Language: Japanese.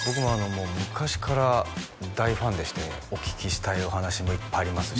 もう昔から大ファンでしてお聞きしたいお話もいっぱいありますし